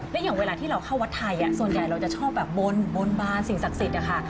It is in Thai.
และอย่างเวลาที่เราเข้าวัดไทยส่วนใหญ่เราจะชอบแบบบนบานสิ่งศักดิ์สิทธิ์นะคะ